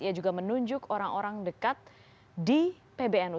ia juga menunjuk orang orang dekat di pbnu